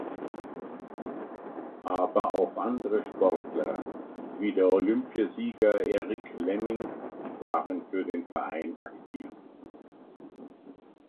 Aber auch andere Sportler, wie der Olympiasieger Eric Lemming, waren für den Verein aktiv.